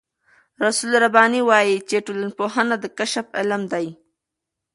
رسول رباني وايي چې ټولنپوهنه د کشف علم دی.